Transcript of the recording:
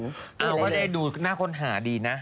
ก็ได้ดูหน้าคนหาดีนะ